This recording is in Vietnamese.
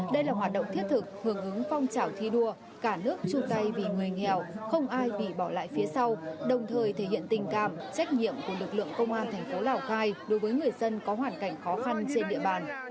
đây là hoạt động thiết thực hưởng ứng phong trào thi đua cả nước chung tay vì người nghèo không ai bị bỏ lại phía sau đồng thời thể hiện tình cảm trách nhiệm của lực lượng công an thành phố lào cai đối với người dân có hoàn cảnh khó khăn trên địa bàn